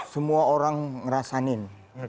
semua orang ngerasain